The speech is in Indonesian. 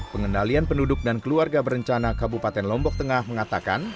pengendalian penduduk dan keluarga berencana kabupaten lombok tengah mengatakan